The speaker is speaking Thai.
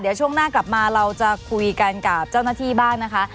เดี๋ยวช่วงหน้ากลับมาเราจะคุยกันกับเจ้าหน้าที่บ้างนะคะ